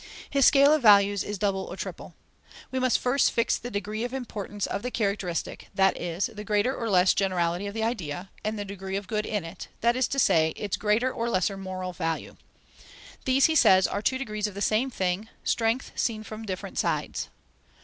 His scale of values is double or triple. We must first fix the degree of importance of the characteristic, that is, the greater or less generality of the idea, and the degree of good in it, that is to say, its greater or lesser moral value. These, he says, are two degrees of the same thing, strength, seen from different sides.